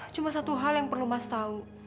cuma satu hal yang perlu mas tahu